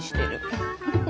フフフフ。